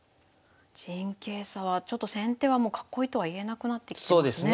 陣形差はちょっと先手はもう囲いとはいえなくなってきてますね。